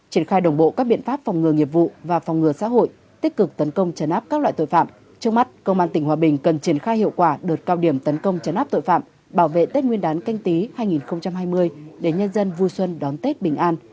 triển khai đồng bộ các biện pháp phòng ngừa nghiệp vụ và phòng ngừa xã hội tích cực tấn công trấn áp các loại tội phạm trước mắt công an tỉnh hòa bình cần triển khai hiệu quả đợt cao điểm tấn công chấn áp tội phạm bảo vệ tết nguyên đán canh tí hai nghìn hai mươi để nhân dân vui xuân đón tết bình an